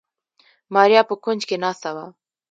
ماريا په کونج کې ناسته وه.